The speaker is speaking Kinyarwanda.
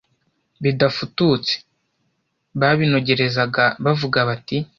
ridafututse. Babinogerezaga bavuga bati: